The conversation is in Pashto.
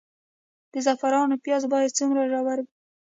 د زعفرانو پیاز باید څومره ژور وي؟